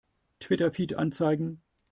Twitter-Feed anzeigen!